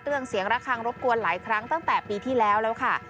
เสียงระคังรบกวนหลายครั้งตั้งแต่ปีที่แล้วแล้วค่ะ